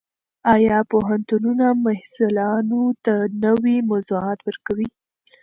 ایا پوهنتونونه محصلانو ته نوي موضوعات ورکوي؟